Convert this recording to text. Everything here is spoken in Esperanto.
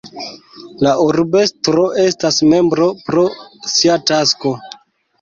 La urbestro estas membro pro sia tasko.